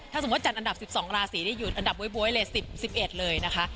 ถ้าสมมุติว่าจัดอันดับสิบสองราศีได้อยู่อันดับบ๊วยบ๊วยเลยสิบสิบเอ็ดเลยนะคะ